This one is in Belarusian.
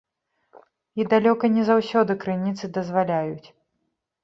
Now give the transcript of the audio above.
І далёка не заўсёды крыніцы дазваляюць.